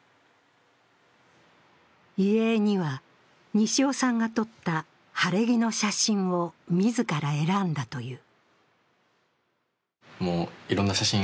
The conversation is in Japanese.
遺影には、西尾さんが撮った晴れ着の写真を自ら選んだという。